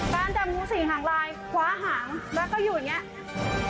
การจำงูสี่หางลายคว้าหางแล้วก็อยู่อย่างนี้